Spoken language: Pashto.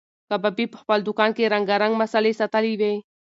کبابي په خپل دوکان کې رنګارنګ مسالې ساتلې وې.